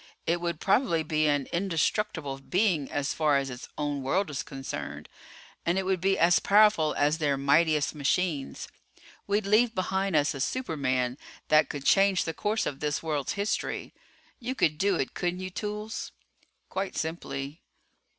It would probably be an indestructible being as far as its own world is concerned. And it would be as powerful as their mightiest machines. We'd leave behind us a superman that could change the course of this world's history. You could do it, couldn't you, Toolls?" "Quite simply."